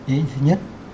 ý nghĩa thứ nhất